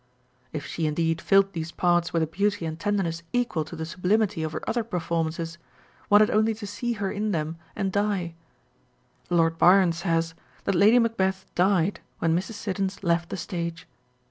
If she indeed filled these parts with a beauty and tenderness equal to the sublimity of her other performances, one had only to see her in them and die ! Lord Byron says, that Lady Macbeth died when Mrs. Siddons left the stage.